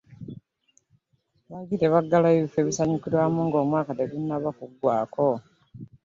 Lwaki tebagulawo ebiffo ebisanyukirwamu nga omwaka tegunaba kugwako?